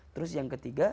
terus yang ketiga